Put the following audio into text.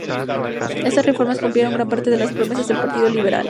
Estas reformas cumplieron gran parte de las promesas del Partido Liberal.